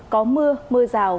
có mưa mưa rào